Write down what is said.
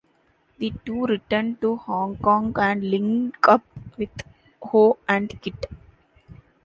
The two return to Hong Kong and link-up with Ho and Kit.